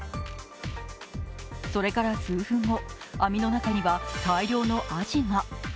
それから数分後網の中には大量のあじが。